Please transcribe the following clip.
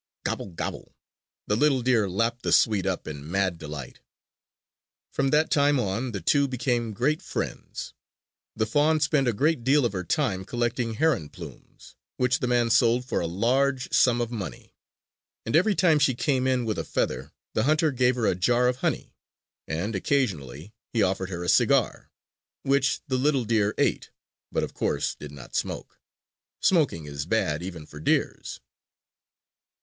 Gobble, gobble! The little deer lapped the sweet up in mad delight. From that time on, the two became great friends. The fawn spent a great deal of her time collecting heron plumes, which the man sold for a large sum of money. And every time she came in with a feather, the hunter gave her a jar of honey; and occasionally he offered her a cigar, which the little deer ate, but, of course, did not smoke. Smoking is bad even for deers.